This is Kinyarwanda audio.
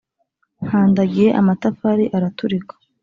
Nkandagiye amatafari araturika